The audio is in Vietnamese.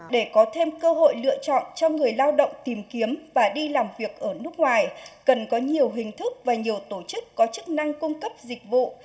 để có thêm cơ hội lựa chọn cho người lao động tìm kiếm và đi làm việc ở nước ngoài cần có nhiều hình thức và nhiều tổ chức có chức năng cung cấp dịch vụ